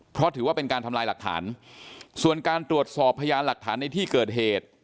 เพราะถือว่าเป็นการทำลายหลักฐานส่วนการตรวจสอบพยานหลักฐานในที่เกิดเหตุ